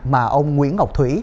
mà ông nguyễn ngọc thủy